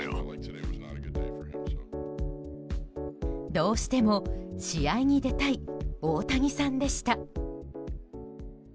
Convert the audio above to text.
どうしても試合に出たい大谷さんでした。